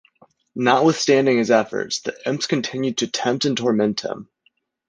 Notwithstanding his efforts, the imps continued to tempt and torment him.